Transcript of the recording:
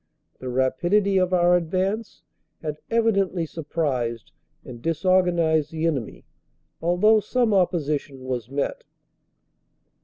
The rapidity of our advance had evidently surprised and disorganized the enemy, although some opposition was met.